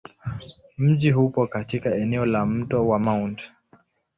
Mji upo katika eneo la Mto wa Mt.